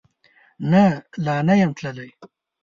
نه، لا نه یم تللی